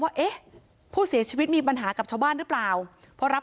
ว่าเอ๊ะผู้เสียชีวิตมีปัญหากับชาวบ้านหรือเปล่าเพราะรับ